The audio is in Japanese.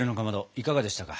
いかがでしたか？